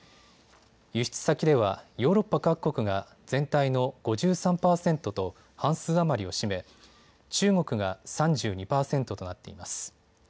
輸出先ではヨーロッパ各国が全体の５３％と半数余りを占め中国が３２％となっています。